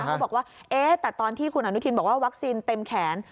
เขาบอกว่าแต่ตอนที่คุณอนุทินบอกว่าวัคซีนเต็มแขน